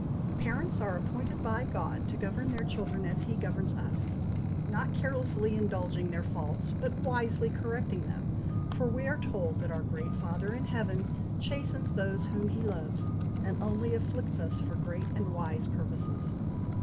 Parents are appointed by God to govern their children as he governs us, not carelessly indulging their faults, but wisely correcting them, for we are told that our Great Father in heaven chastens those whom he loves, and only afflicts us for great and wise purposes.